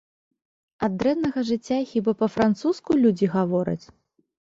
Ад дрэннага жыцця хіба па-французску людзі гавораць?